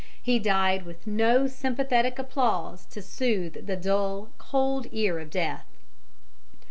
He died with no sympathetic applause to soothe the dull, cold ear of death.